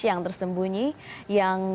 yang tersembunyi yang